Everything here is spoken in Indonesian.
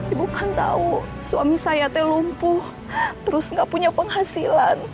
ibu kan tahu suami saya lumpuh terus nggak punya penghasilan